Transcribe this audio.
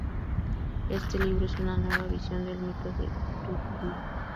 Este libro es una nueva visión del mito de Cthulhu.